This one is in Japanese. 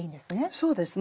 そうですね。